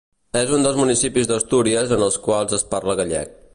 És un dels municipis d'Astúries en els quals es parla gallec.